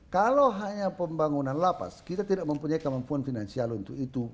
kalau hanya pembangunan lapas kita tidak mempunyai kemampuan finansial untuk itu